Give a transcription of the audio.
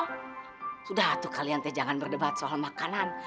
sudah tuh kalian tuh jangan berdebat soal makanan